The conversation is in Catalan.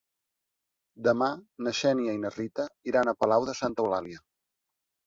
Demà na Xènia i na Rita iran a Palau de Santa Eulàlia.